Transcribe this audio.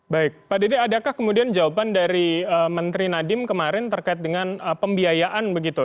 baik pak dede adakah kemudian jawaban dari menteri nadiem kemarin terkait dengan pembiayaan begitu